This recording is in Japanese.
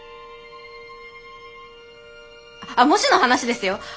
あっもしの話ですよ？